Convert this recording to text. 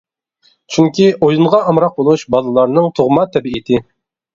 چۈنكى ئويۇنغا ئامراق بولۇش بالىلارنىڭ تۇغما تەبىئىتى.